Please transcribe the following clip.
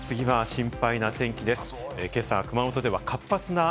次は心配な天気です。